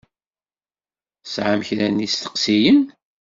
Tesεam kra n yisteqsiyen?